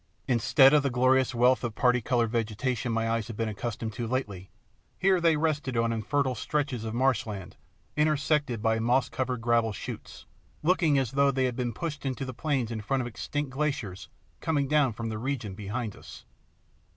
Instead of the glorious wealth of parti coloured vegetation my eyes had been accustomed to lately, here they rested on infertile stretches of marshland intersected by moss covered gravel shoots, looking as though they had been pushed into the plains in front of extinct glaciers coming down from the region behind us.